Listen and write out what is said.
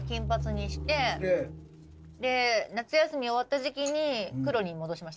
で夏休み終わった時期に黒に戻しました。